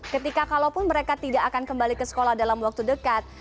ketika kalaupun mereka tidak akan kembali ke sekolah dalam waktu dekat